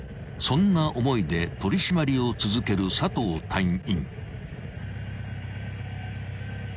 ［そんな思いで取り締まりを続ける佐藤隊員］